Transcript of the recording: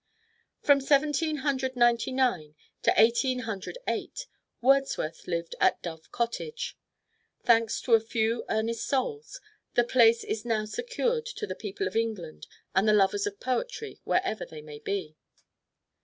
From Seventeen Hundred Ninety nine to Eighteen Hundred Eight, Wordsworth lived at Dove Cottage. Thanks to a few earnest souls, the place is now secured to the people of England and the lovers of poetry wherever they may be.